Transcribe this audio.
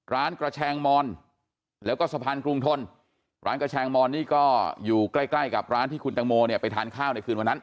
ร้านกระแชงมอนแล้วก็สะพานกรุงทนร้านกระแชงมอนนี่ก็อยู่ใกล้ใกล้กับร้านที่คุณตังโมเนี่ยไปทานข้าวในคืนวันนั้น